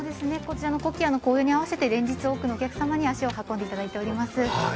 コキアの紅葉に合わせて連日、多くのお客様に足を運んでいただいております。